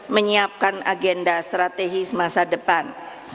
menyiapkan agenda strategis masa depan